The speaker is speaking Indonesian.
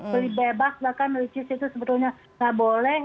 beli bebas bahkan uji klinis itu sebetulnya nggak boleh